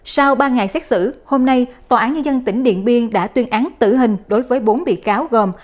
sau ba ngày xét xử hôm nay tòa án nhân dân tỉnh điện biên đã tuyên án tử hình đối với bốn bị cáo gồm